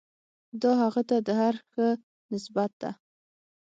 دا هغه ته د هر ښه نسبت ده.